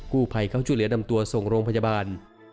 ผู้ภัยเขาช่วยเหลือนำตัวส่งโรงพยาบาล